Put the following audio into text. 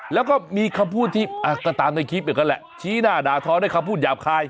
แล้วก็มีคำพูดที่ก็ตามในคลิปอย่างนั้นแหละชี้หน้าด่าท้อด้วยคำพูดหยาบคาย